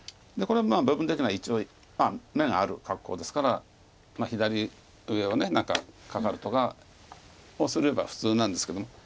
これは部分的には一応眼がある格好ですから左上を何かカカるとかをすれば普通なんですけど。